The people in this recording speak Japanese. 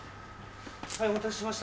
はいお待たせしました